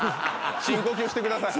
深呼吸してください。